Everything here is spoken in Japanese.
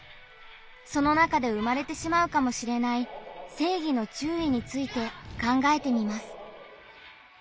その中で生まれてしまうかもしれない「正義の注意」について考えてみます。